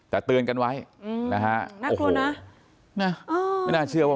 แต่เตือนกันไว้อืมนะฮะน่ากลัวนะไม่น่าเชื่อว่า